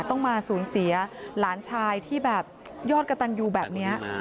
ต้องมาสูญเสียหลานชายที่แบบยอดกระตันยูแบบนี้